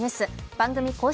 番組公式